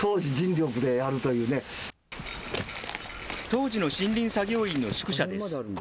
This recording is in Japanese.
当時の森林作業員の宿舎です。